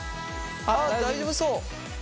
ああ大丈夫そう！